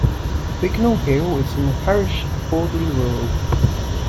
Bignall Hill is in the parish of Audley Rural.